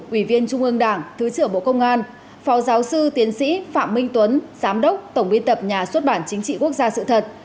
ủy viên trung ương đảng thứ trưởng bộ công an phó giáo sư tiến sĩ phạm minh tuấn giám đốc tổng biên tập nhà xuất bản chính trị quốc gia sự thật